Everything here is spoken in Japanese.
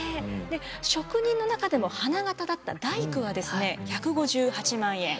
職人の中でも花形だった大工はですね１５８万円。